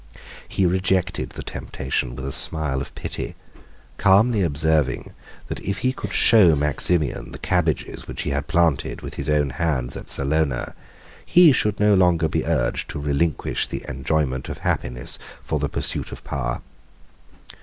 He rejected the temptation with a smile of pity, calmly observing, that if he could show Maximian the cabbages which he had planted with his own hands at Salona, he should no longer be urged to relinquish the enjoyment of happiness for the pursuit of power.